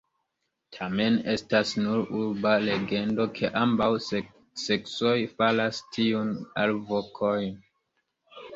Tamen estas nur urba legendo ke ambaŭ seksoj faras tiun alvokon.